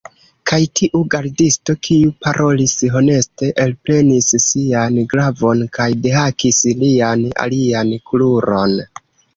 Kaj tiu gardisto, kiu parolis honeste, elprenis sian glavon kaj dehakis lian alian kruron.